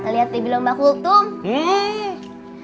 lihat debilomba kultum